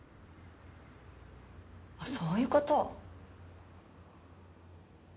あそういうこと。